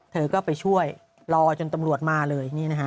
เธอก็ไปช่วยรอจนตำรวจมาเลย